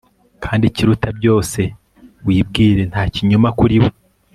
kandi ikiruta byose wibwire nta kinyoma kuri we